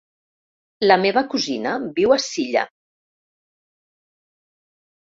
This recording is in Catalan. La meva cosina viu a Silla.